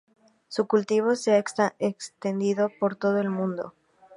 Su cultivo se ha extendido por todo el mundo.